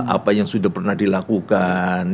apa yang sudah pernah dilakukan